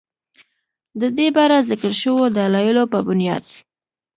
ددې بره ذکر شوو دلايلو پۀ بنياد